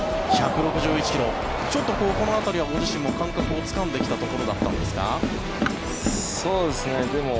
ちょっとこの辺りはご自身も感覚をつかんできたところだったんですか。